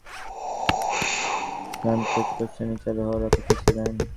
তাঁরা দুই বছরেরও বেশি সময় স্নাতকোত্তর শ্রেণী চালু হওয়ার অপেক্ষায় ছিলেন।